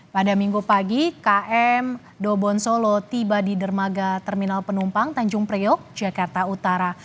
pada minggu pagi km dobon solo tiba di dermaga terminal penumpang tanjung priok jakarta utara